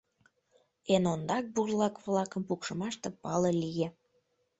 Эн ондак бурлак-влакым пукшымаште пале лие.